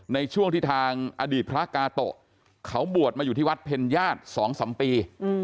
ในช่วงที่ทางอดีตพระกาโตะเขาบวชมาอยู่ที่วัดเพ็ญญาติ๒๓ปี